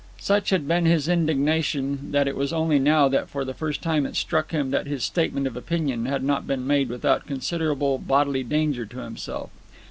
Such had been his indignation that it was only now that for the first time it struck him that his statement of opinion had not been made without considerable bodily danger to himself.